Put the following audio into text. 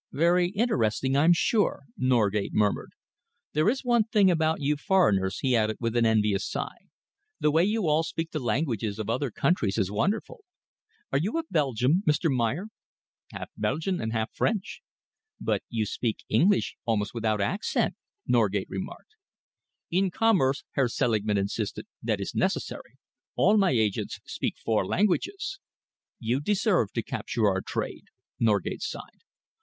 "Very interesting, I'm sure," Norgate murmured. "There is one thing about you foreigners," he added, with an envious sigh. "The way you all speak the languages of other countries is wonderful. Are you a Belgian, Mr. Meyer?" "Half Belgian and half French." "But you speak English almost without accent," Norgate remarked. "In commerce," Herr Selingman insisted, "that is necessary. All my agents speak four languages." "You deserve to capture our trade," Norgate sighed.